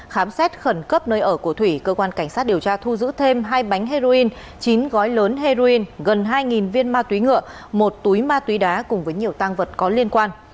khám xét khẩn cấp nơi ở của thủy cơ quan cảnh sát điều tra thu giữ thêm hai bánh heroin chín gói lớn heroin gần hai viên ma túy ngựa một túi ma túy đá cùng với nhiều tăng vật có liên quan